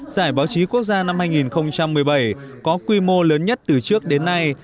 giải báo chí quốc gia năm hai nghìn một mươi bảy có quy mô lớn nhất từ trước đến nay